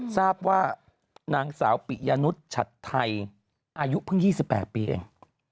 ทราบว่านางสาวปิยานุษย์ฉัดไทยอายุเพิ่ง๒๘ปีเอง